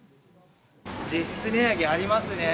実質値上げありますね。